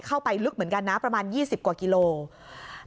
เข้าไปลึกเหมือนกันนะประมาณ๒๐กว่ากิโลกรัม